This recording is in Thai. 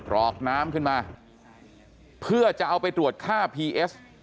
รอกน้ำขึ้นมาเพื่อจะเอาไปตรวจค่าพีเอส